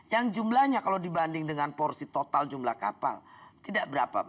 yang jumlahnya kalau dibanding dengan porsi total jumlah kapal tidak berapa